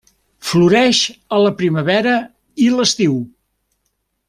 Floreix a la primavera i l'estiu.